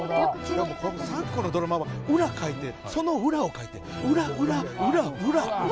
昨今のドラマは、裏かいてその裏をかいて、裏、裏、裏、裏。